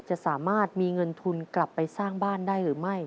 จะสามารถมีเงินทุนกลับไปสร้างบ้านได้หรือไม่